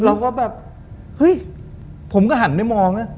เราก็แบบเฮ้ยผมก็หันไปมองนะ